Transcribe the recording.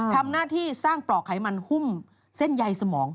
ทำหน้าที่สร้างปลอกไขมันหุ้มเส้นใยสมอง